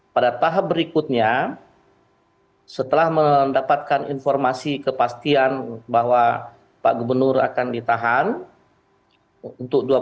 pada tahap berikutnya setelah mendapatkan informasi kepastian bahwa pak gubernur akan ditahan untuk dua puluh